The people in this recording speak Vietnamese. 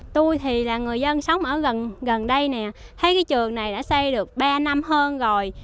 tôi thì là người dân sống ở gần đây này thấy cái trường này đã xây được ba năm hơn rồi